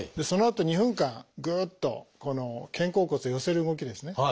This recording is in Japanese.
そのあと２分間グッとこの肩甲骨を寄せる動きですね